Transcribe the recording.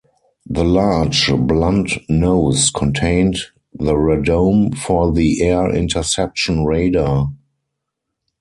The large, blunt nose contained the radome for the air-interception radar.